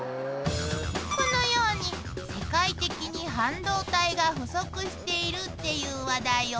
「このように世界的に半導体が」「不足しているっていう話題を」